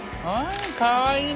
かわいいね！